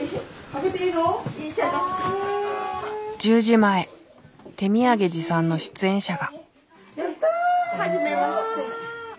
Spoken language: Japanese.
前手土産持参の出演者が。